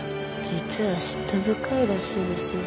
実は嫉妬深いらしいですよ。